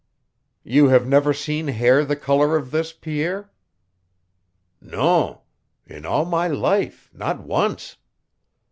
"You have never seen hair the color of this, Pierre?" "Non. In all my life not once."